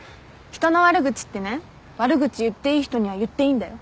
人の悪口ってね悪口言っていい人には言っていいんだよ。